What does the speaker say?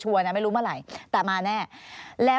จะไม่ได้มาในสมัยการเลือกตั้งครั้งนี้แน่